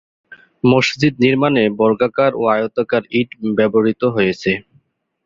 মসজিদ নির্মাণে বর্গাকার ও আয়তাকার ইট ব্যবহৃত হয়েছে।